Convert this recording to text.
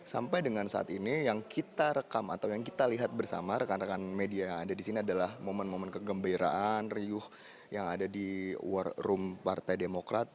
sampai dengan saat ini yang kita rekam atau yang kita lihat bersama rekan rekan media yang ada di sini adalah momen momen kegembiraan riuh yang ada di war room partai demokrat